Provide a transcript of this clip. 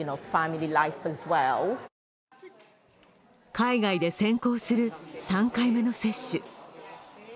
海外で先行する３回目の接種。